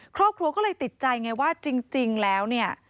ครอบครัวก็เลยติดใจไงว่าจริงแล้วเนี่ย